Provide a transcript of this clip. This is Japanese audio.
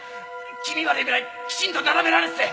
気味悪いぐらいきちんと並べられてて。